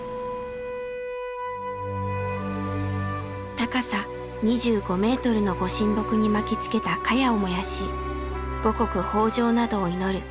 高さ２５ｍの御神木に巻きつけたカヤを燃やし五穀豊穣などを祈る